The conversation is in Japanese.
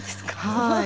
はい。